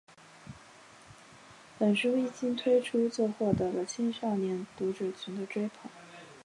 本书一经推出就获得了青少年读者群的追捧。